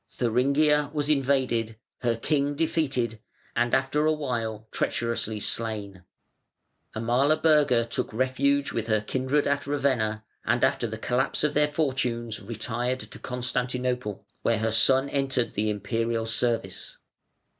Thuringia was invaded, (531) her king defeated, and after a while treacherously slain. Amalaberga took refuge with her kindred at Ravenna, and after the collapse of their fortunes retired to Constantinople, where her son entered the Imperial service.